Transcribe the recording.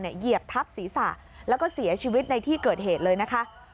เหยียบทับศีรษะแล้วก็เสียชีวิตในที่เกิดเหตุเลยนะคะ